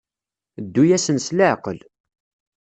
Ddu-asen s leɛqel.